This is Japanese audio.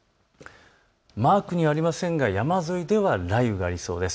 マークにありませんが山沿いでは雷雨がありそうです。